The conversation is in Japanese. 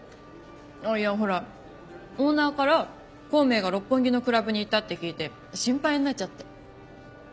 あっいやほらオーナーから孔明が六本木のクラブに行ったって聞いて心配になっちゃって。